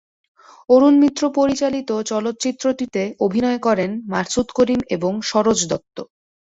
অরুণ মিত্র পরিচালিত চলচ্চিত্রটিতে অভিনয় করেন মাসুদ করিম এবং সরোজ দত্ত।